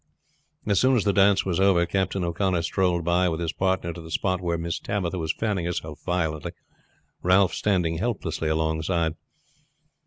As soon as the dance was over Captain O'Connor strolled up with his partner to the spot where Miss Tabitha was fanning herself violently, Ralph standing helplessly alongside.